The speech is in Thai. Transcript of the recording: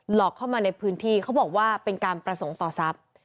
อกเข้ามาในพื้นที่เขาบอกว่าเป็นการประสงค์ต่อทรัพย์